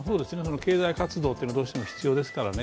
経済活動というのはどうしても必要ですからね。